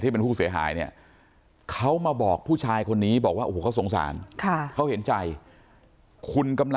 ที่เป็นผู้เสียหายเนี่ยเค้ามาบอกผู้ชายคนนี้บอกว่าโอ้โหน้อยคอสงสาร